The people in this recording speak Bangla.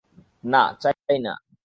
না, চাই না।